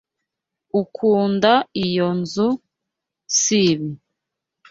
Ukunda iyo nzu, sibi?